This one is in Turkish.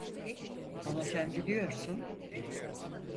Ama sen biliyorsun.